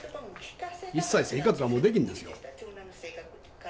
一切生活はもうできんですよ。